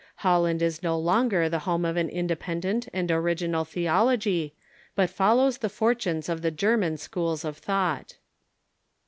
Holland is no longer the home of an independent and original theology, but follows the fort unes of the German schools of thought.